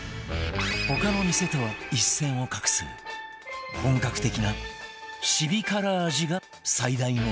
他の店とは一線を画す本格的なシビ辛味が最大の特徴